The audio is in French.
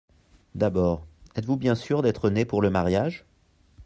D’abord, êtes-vous bien sûr d’être né pour le mariage ?…